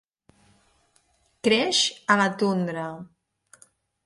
Creix a la tundra.